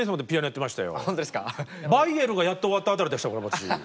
「バイエル」がやっと終わったあたりでしたから私。